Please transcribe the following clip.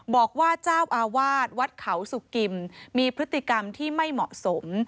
บอกว่าเจ้าอาวาสวัดเขาสุกิมมีพฤติกรรมที่ไม่เหมาะสม